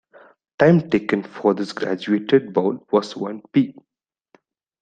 Time taken for this graduated bowl was one "pe".